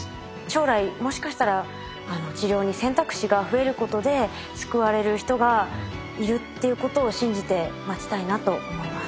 将来もしかしたら治療に選択肢が増えることで救われる人がいるっていうことを信じて待ちたいなと思います。